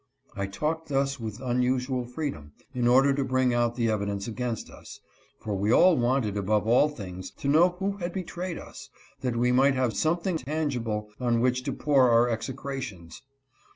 I talked thus with unusual freedom, in order to bring out the evidence against us, for we all wanted, above all things, to know who had betrayed us, that we might have something tangible on which to pour our execrations.